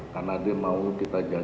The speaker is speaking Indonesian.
karena dia mau kita janjikan